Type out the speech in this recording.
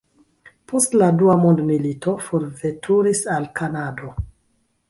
Post la dua mondmilito forveturis al Kanado.